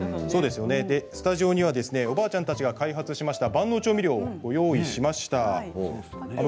スタジオにはおばあちゃんたちが開発した万能調味料を用意しました。